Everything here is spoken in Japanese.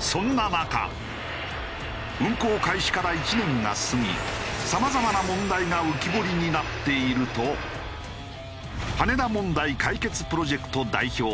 そんな中運航開始から１年が過ぎさまざまな問題が浮き彫りになっていると羽田問題解決プロジェクト代表